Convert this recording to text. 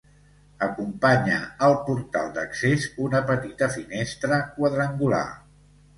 Acompanya al portal d'accés una petita finestra quadrangular.